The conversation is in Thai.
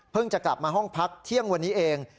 จะกลับมาห้องพักเที่ยงวันนี้เอง